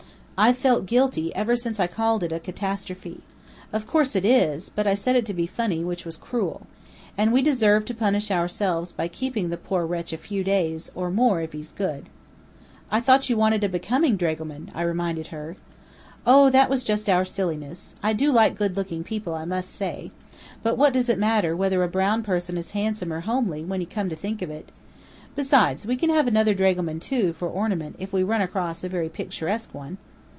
I've felt guilty ever since I called it a catastrophe. Of course it is; but I said it to be funny, which was cruel. And we deserve to punish ourselves by keeping the poor wretch a few days, or more, if he's good." "I thought you wanted a becoming dragoman?" I reminded her. "Oh, that was just our silliness. I do like good looking people, I must say. But what does it matter whether a brown person is handsome or homely, when you come to think of it? Besides, we can have another dragoman, too, for ornament, if we run across a very picturesque one."